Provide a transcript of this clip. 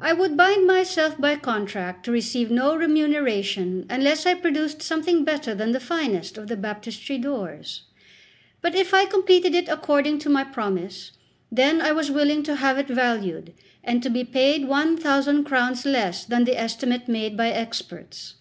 I would bind myself by contract to receive no remuneration unless I produced something better than the finest of the Baptistery doors. But if I completed it according to my promise, then I was willing to have it valued, and to be paid one thousand crowns less than the estimate made by experts.